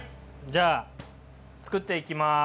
じゃあつくっていきます。